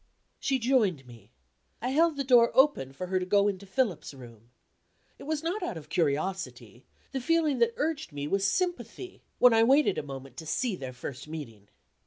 She joined me. I held the door open for her to go into Philip's room. It was not out of curiosity; the feeling that urged me was sympathy, when I waited a moment to see their first meeting.